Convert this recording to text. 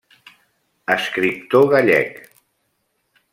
Escriptor gallec.